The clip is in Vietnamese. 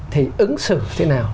thì ứng xử thế nào